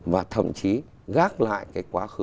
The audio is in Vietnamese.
và thậm chí gác lại cái quá khứ